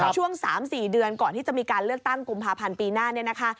ช่วง๓๔เดือนก่อนที่จะมีการเลือกตั้งกุมภาพันธ์ปีหน้าเนี่ยนะคะ